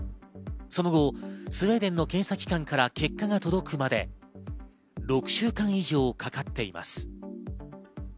その後、スウェーデンの検査機関から結果が届くまで６週間以上かかっています。